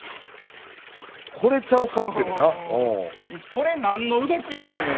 これ何の動きやねん！